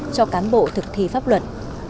cho cán bộ thực thi pháp luật